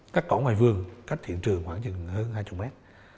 cắt cỏ ngoài vườn cắt hiện trường khoảng hơn hai mươi mét